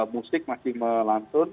musik masih melantun